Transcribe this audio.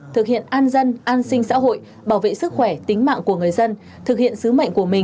thực hiện an dân an sinh xã hội bảo vệ sức khỏe tính mạng của người dân thực hiện sứ mệnh của mình